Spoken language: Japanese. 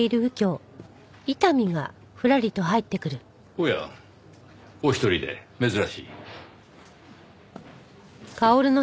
おやお一人で珍しい。